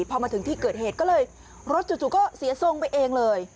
พอมาถึงที่เกิดเหตุก็เลยรถจู่ก็เสียทรงไปเองเลย